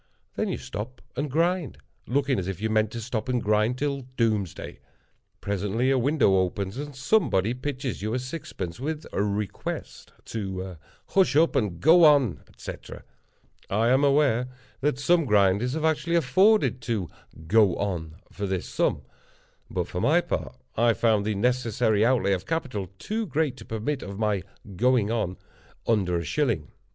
Then you stop and grind; looking as if you meant to stop and grind till doomsday. Presently a window opens, and somebody pitches you a sixpence, with a request to "Hush up and go on," etc. I am aware that some grinders have actually afforded to "go on" for this sum; but for my part, I found the necessary outlay of capital too great to permit of my "going on" under a shilling.